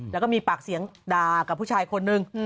แล้วก็มีปากเสียงด่ากับผู้ชายคนนึง